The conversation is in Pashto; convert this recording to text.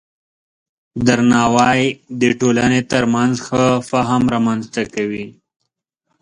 درناوی د ټولنې ترمنځ ښه فهم رامنځته کوي.